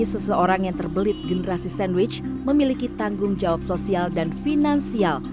seseorang yang terbelit generasi sandwich memiliki tanggung jawab sosial dan finansial